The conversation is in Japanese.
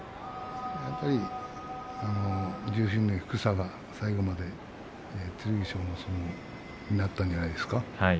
やっぱり重心の低さが最後まで剣翔の相撲になったんじゃないですか。